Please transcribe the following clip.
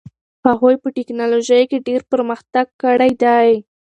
هغوی په ټیکنالوژۍ کې ډېر پرمختګ کړی دي.